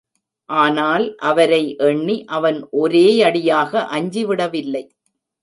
ஆனால் அவரை எண்ணி அவன் ஒரேயடியாக அஞ்சிவிடவில்லை.